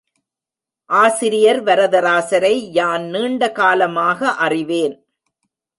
ஆசிரியர் வரதராசரை யான் நீண்ட காலமாக அறிவேன்.